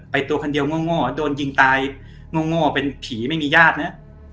ตัวคนเดียวง่อโดนยิงตายง่อเป็นผีไม่มีญาตินะ